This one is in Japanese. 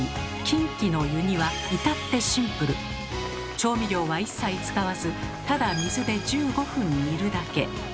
調味料は一切使わずただ水で１５分煮るだけ。